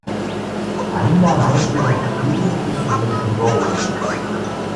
Ainda há mais de uma dúzia de pessoas indo ao ônibus.